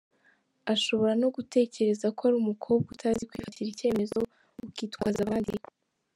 Ashobora no gutekereza ko uri umukobwa utazi kwifatira icyemezo ukitwaza abandi.